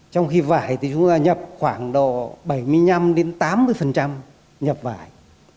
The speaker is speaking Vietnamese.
trong khi vải thì chúng ta nhập khoảng độ bảy mươi năm tám mươi nhập vải